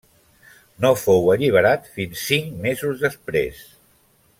No fou alliberat fins cinc mesos després.